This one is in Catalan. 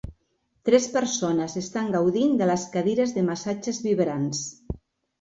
Tres persones estan gaudint de les cadires de massatges vibrants.